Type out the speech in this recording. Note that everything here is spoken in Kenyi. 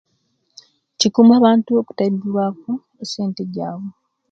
Kikuma abantu okutaibiwa ku esente jabu